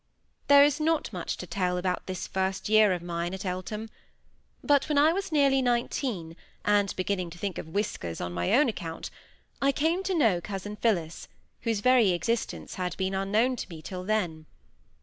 There is not much to tell about this first year of mine at Eltham. But when I was nearly nineteen, and beginning to think of whiskers on my own account, I came to know cousin Phillis, whose very existence had been unknown to me till then.